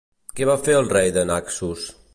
Què va fer el rei de Naxos?